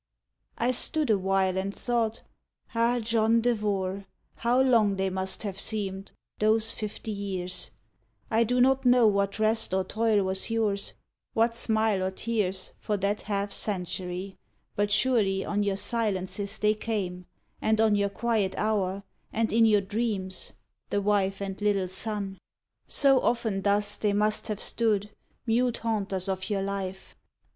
I stood awhile and thought: "Ah! John Devore! How long they must have seemed, those fifty years ! I do not know what rest or toil was yours, What smiles or tears, for that half century; But surely on your silences they came, And on your quiet hour, and in your dreams The wife and little son. So often thus 55 THE TRYST They must have stood, mute haunters of your life